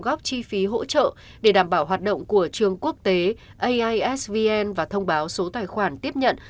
góp chi phí hỗ trợ để đảm bảo hoạt động của trường quốc tế aisvn và thông báo số tài khoản tiếp nhận